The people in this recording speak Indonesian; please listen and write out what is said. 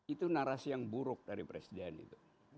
itu narasi yang buruk dari presiden itu